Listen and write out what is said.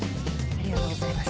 ありがとうございます。